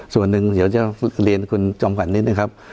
ส่วนหนึ่งเดี๋ยวจะเรียนคุณจอมขวัญนิดนึงครับ